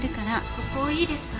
ここいいですか？